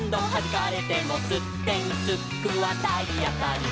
「すってんすっくはたいあたり」